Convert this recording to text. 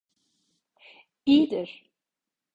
İyidir.